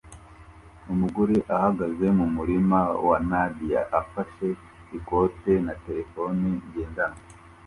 Umugore ahagaze mumurima wa nadia afashe ikote na terefone ngendanwa